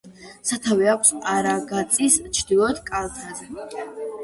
სათავე აქვს არაგაწის ჩრდილოეთ კალთაზე.